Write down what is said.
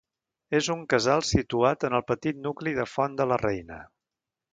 És un casal situat en el petit nucli de Font de la Reina.